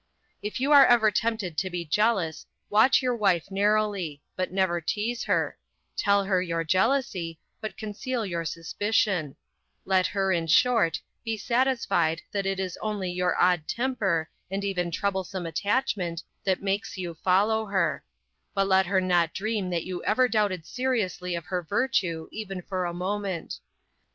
If you are ever tempted to be jealous, watch your wife narrowly but never tease her; tell her your jealousy but conceal your suspicion; let her, in short, be satisfied that it is only your odd temper, and even troublesome attachment, that makes you follow her; but let her not dream that you ever doubted seriously of her virtue even for a moment.